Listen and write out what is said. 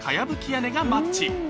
屋根がマッチ